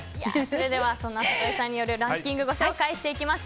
それでは里井さんによるランキングご紹介します。